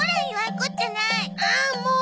あーもう！